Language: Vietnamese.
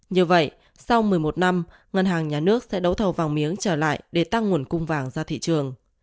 như vậy sau một mươi một năm ngân hàng nhà nước sẽ đấu thầu vàng miếng trở lại để tăng nguồn cung vàng ra thị trường